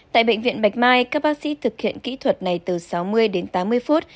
tại bệnh viện bạch mai các bác sĩ thực hiện kỹ thuật này từ sáu mươi đến tám mươi phút